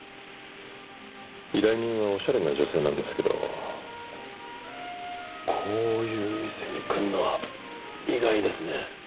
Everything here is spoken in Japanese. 依頼人はおしゃれな女性なんですけどこういう店に来るのは意外ですね。